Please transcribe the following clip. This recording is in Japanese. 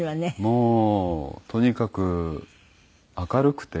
もうとにかく明るくて。